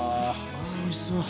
あおいしそう。